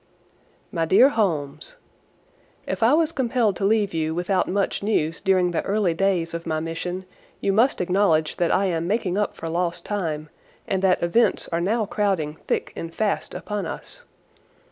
MY DEAR HOLMES, If I was compelled to leave you without much news during the early days of my mission you must acknowledge that I am making up for lost time, and that events are now crowding thick and fast upon us.